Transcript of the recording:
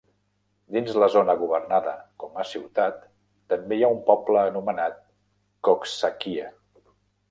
Dins la zona governada com a ciutat, també hi ha un poble anomenat Coxsackie.